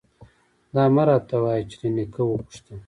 _دا مه راته وايه چې له نيکه وپوښته.